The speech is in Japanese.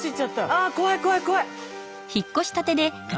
あ怖い怖い怖い。